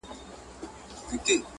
الهام نه دی، تخلیقي دي محمده